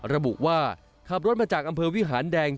ระบุว่าขับรถมาจากอำเภอวิหารแดง